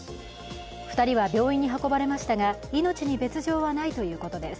２人は病院に運ばれましたが命に別状はないということです。